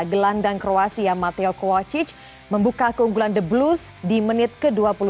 gelandang kroasia mateo kwacic membuka keunggulan the blues di menit ke dua puluh dua